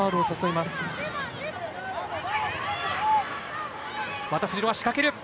また藤野が仕掛ける。